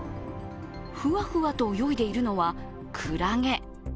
ふわふわと泳いでいるのはクラゲ。